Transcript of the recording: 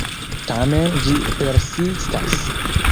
Tamen, ĝi persistas.